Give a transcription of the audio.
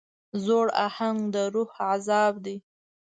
زوړ اهنګ د روح عذاب دی.